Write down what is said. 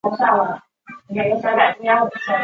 费城市有自己的证券交易所。